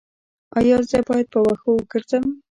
ایا زه باید په وښو وګرځم؟